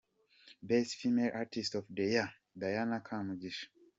Best Female artist of the year: Diana Kamugisha.